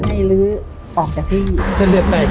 ไอ้ลื้อปอกจากพี่เส้นเลือดแตก